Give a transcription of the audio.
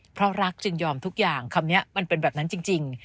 เพราะรักจึงยอมทุกอย่างคำนี้มันเป็นแบบนั้นจริง